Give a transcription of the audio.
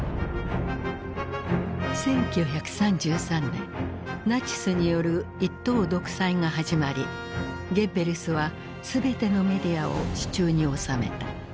１９３３年ナチスによる一党独裁が始まりゲッベルスは全てのメディアを手中に収めた。